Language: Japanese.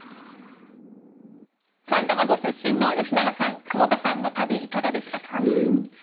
埼玉ご出身の吉永さん久保田さんの旅いかがでしたか？